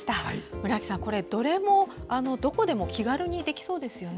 村木さん、どれもどこでも気軽にできそうですよね。